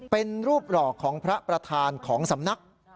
เป็นรูปหล่อของพระประธานของสำนัก